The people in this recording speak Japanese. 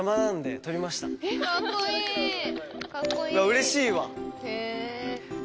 うれしいわ。